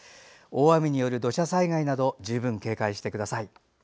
大雨による土砂災害など十分警戒してください。